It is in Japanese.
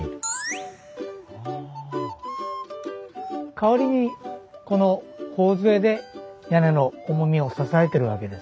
代わりにこの頬杖で屋根の重みを支えてるわけです。